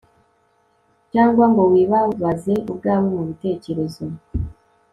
cyangwa ngo wibabaze ubwawe mu bitekerezo